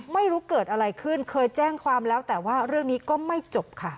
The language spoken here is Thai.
ไม่รู้เกิดอะไรขึ้นเคยแจ้งความแล้วแต่ว่าเรื่องนี้ก็ไม่จบค่ะ